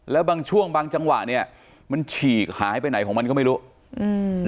แล้วบางช่วงบางจังหวะเนี้ยมันฉีกหายไปไหนของมันก็ไม่รู้อืม